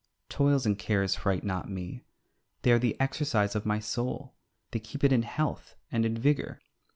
Toils and cares fright not me; they are the exercise of my soul; they keep it in health and in vigour.